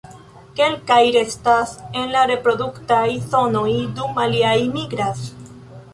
Kelkaj restas en la reproduktaj zonoj, dum aliaj migras.